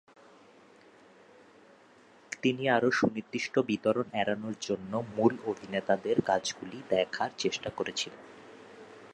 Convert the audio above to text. তিনি আরও সুনির্দিষ্ট বিতরণ এড়ানোর জন্য মূল অভিনেতাদের কাজগুলি দেখার চেষ্টা করেছিলেন।